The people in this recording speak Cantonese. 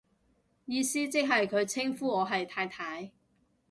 意思即係佢稱呼我係太太